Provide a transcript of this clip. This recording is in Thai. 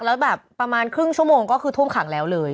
แล้วแบบประมาณครึ่งชั่วโมงก็คือท่วมขังแล้วเลย